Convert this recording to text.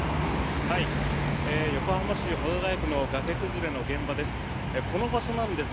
横浜市保土ケ谷区の崖崩れの現場です。